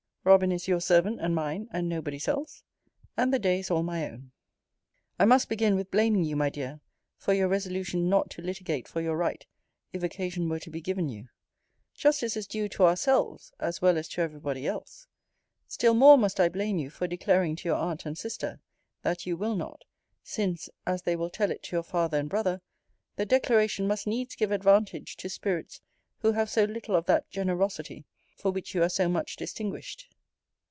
Robin is your servant and mine, and nobody's else and the day is all my own. I must begin with blaming you, my dear, for your resolution not to litigate for your right, if occasion were to be given you. Justice is due to ourselves, as well as to every body else. Still more must I blame you for declaring to your aunt and sister, that you will not: since (as they will tell it to your father and brother) the declaration must needs give advantage to spirits who have so little of that generosity for which you are so much distinguished.